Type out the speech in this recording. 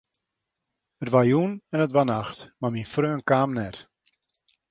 It waard jûn en it waard nacht, mar myn freon kaam net.